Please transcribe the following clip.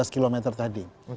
enam belas km tadi